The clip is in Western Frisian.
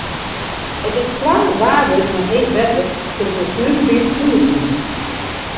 As it stoarmich waar wurdt mei heech wetter sil it natuergebiet ûnderstrûpe.